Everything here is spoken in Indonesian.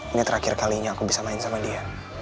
ini terakhir kalinya aku bisa main sama dia